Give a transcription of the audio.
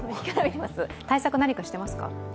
対策、何かしていますか。